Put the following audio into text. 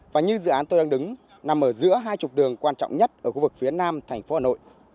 và như dự án tôi đang đứng nằm ở giữa hai chục đường quan trọng nhất ở khu vực phía nam thành phố hà nội